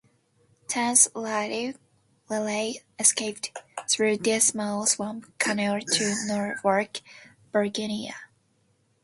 Thence "Raleigh" escaped through Dismal Swamp Canal to Norfolk, Virginia.